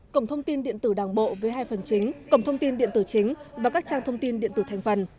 cổng thông tin điện tử đảng bộ với hai phần chính cổng thông tin điện tử chính và các trang thông tin điện tử thành phần